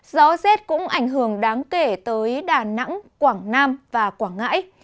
gió rét cũng ảnh hưởng đáng kể tới đà nẵng quảng nam và quảng ngãi